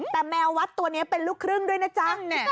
แต่แมววัดตัวนี้เป็นลูกครึ่งด้วยนะจ๊ะ